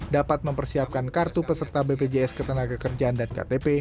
dapat mempersiapkan kartu peserta bpjs ketenagakerjaan dan ktp